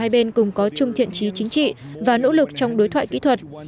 hai bên cùng có chung thiện trí chính trị và nỗ lực trong đối thoại kỹ thuật